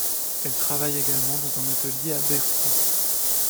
Elle travaille également dans un atelier à Bercy.